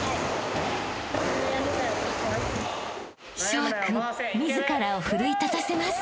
［翔海君自らを奮い立たせます］